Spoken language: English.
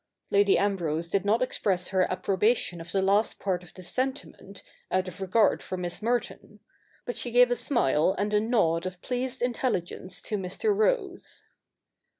Lady Ambrose did not express her approbation of the last part of this sentiment, out of regard for Miss Merton ; but she gave a smile and a nod of pleased intelligence to Mr. Rose.